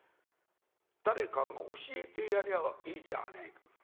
誰かが教えてやりゃいいじゃねえか。